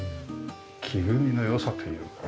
木組みの良さというか。